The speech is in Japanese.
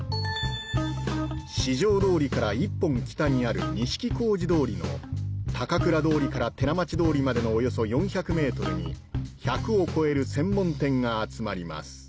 四条通から１本北にある錦小路通の高倉通から寺町通までのおよそ４００メートルに１００を超える専門店が集まります